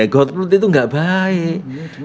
golput itu gak baik